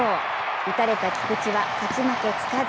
打たれた菊池は勝ち負けつかず。